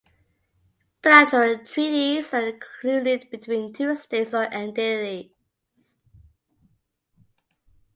Bilateral treaties are concluded between two states or entities.